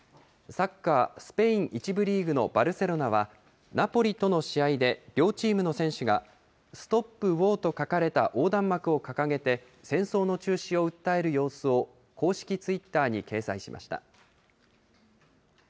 サッカー、スペイン１部リーグのバルセロナは、ナポリとの試合で両チームの選手が、ＳＴＯＰＷＡＲと書かれた横断幕を掲げて、戦争の中止を訴える様子を公式ツイッターに掲載しました。